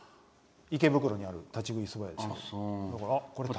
池袋にある立ち食いそば屋。